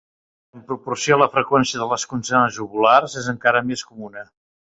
En proporció a la freqüència de les consonants uvulars, és encara més comuna.